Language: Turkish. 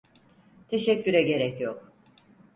Teşekküre gerek yok.